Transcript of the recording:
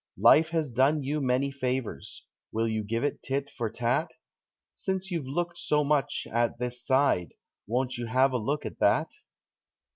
Life has done you many favors. Will you give it tit for tat? Since you've looked so much at this side, won't you have a look at that?